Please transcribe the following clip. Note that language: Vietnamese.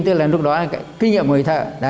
tức là lúc đó là kinh nghiệm người thợ